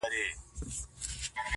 ریښتینی رهبر خدمت ته لومړیتوب ورکوي؛